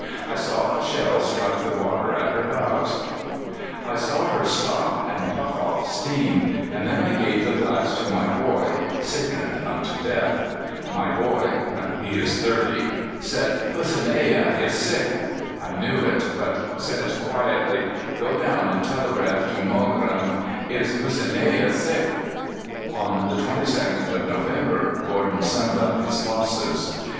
I saw a shell strike the water at her bows; I saw her stop and puff off steam, and then I gave the glass to my boy, sickened unto death. My boy (he is thirty) said, 'Hussineyeh is sick.' I knew it, but said quietly, 'Go down and telegraph to Mogrim, "Is Hussineyeh sick?"'" On the 22nd of November Gordon summed up his losses.